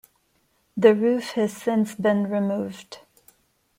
The roof has since been removed.